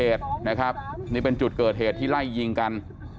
เกิดเหตุนะครับนี่เป็นจุดเกิดเหตุที่ไล่ยิงกัน